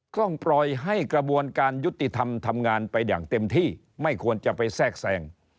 ต้องปล่อยให้กระบวนการยุติธรรมทำงานไปอย่างเต็มที่ไม่ควรจะไปแทรกแทรง